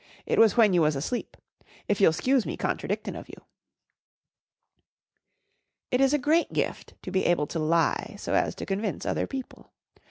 "It was when you was asleep. If you'll 'scuse me contradictin' of you." It is a great gift to be able to lie so as to convince other people.